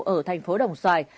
ở thành phố đồng xoài